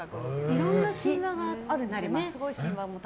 いろんな神話があるんですよね。